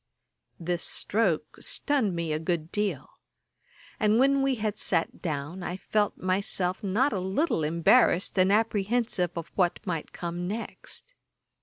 This stroke stunned me a good deal; and when we had sat down, I felt myself not a little embarrassed, and apprehensive of what might come next.